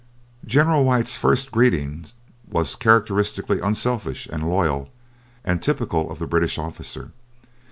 General White's first greeting was characteristically unselfish and loyal, and typical of the British officer.